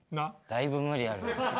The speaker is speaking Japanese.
だいぶ無理ある。